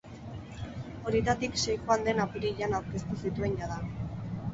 Horietatik sei joan den apirilean aurkeztu zituen jada.